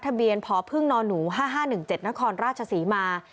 ทะเบียนพอพึ่งนอนหนู๕๕๑๗นครราชสีมา